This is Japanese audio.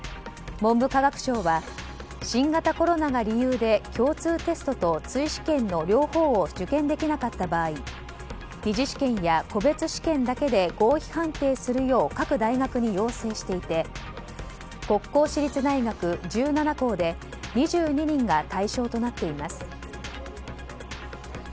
文部科学省は新型コロナが理由で共通テストと追試験の両方を受験できなかった場合２次試験や個別試験だけで合否判定するよう各大学に要請していて国公私立大学１７校で２２人が対象となっています。